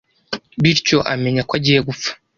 bityo amenya ko agiye gupfa